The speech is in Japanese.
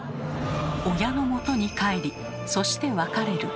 親のもとに帰りそして別れる。